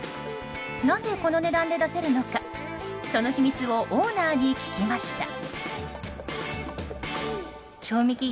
なぜ、この値段で出せるのかその秘密をオーナーに聞きました。